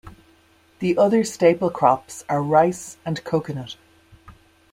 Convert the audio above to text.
The other staple crops are rice and coconut.